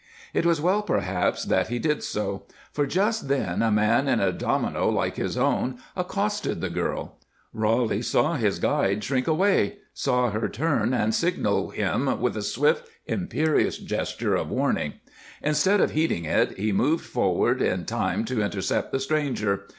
It was well, perhaps, that he did so, for just then a man in a domino like his own accosted the girl. Roly saw his guide shrink away, saw her turn and signal him with a swift, imperious gesture of warning. Instead of heeding it, he moved forward in time to intercept the stranger.